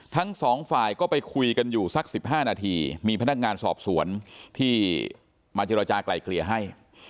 ทั้งสองฝ่ายก็ไปคุยกันอยู่สัก๑๕นาทีมีพนักงานสอบสวนที่มาเจรจากลายเกลี่ยให้